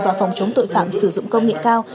và phòng chống tội phạm sử dụng công nghệ cao